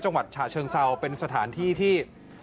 จังหวัดฉะเชิงเซาเป็นสถานที่ที่